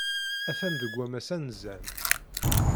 Atan deg wammas anezzan.